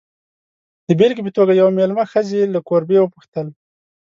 د بېلګې په توګه، یوې مېلمه ښځې له کوربې وپوښتل.